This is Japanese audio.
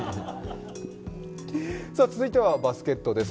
続いてはバスケットです